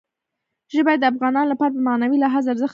ژبې د افغانانو لپاره په معنوي لحاظ ارزښت لري.